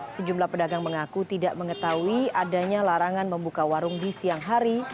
sejumlah pedagang mengaku tidak mengetahui adanya larangan membuka warung di siang hari